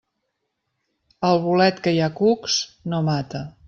El bolet que hi ha cucs, no mata.